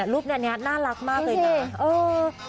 อ๋อรูปนี้น่ารักมากเลยนะ